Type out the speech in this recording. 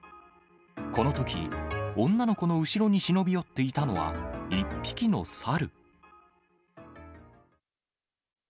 このとき、女の子の後ろに忍び寄っていたのは一匹の猿。